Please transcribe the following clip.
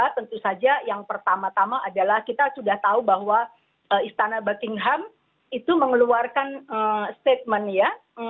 tentu saja yang pertama tama adalah kita sudah tahu bahwa istana buckingham itu mengeluarkan statement ya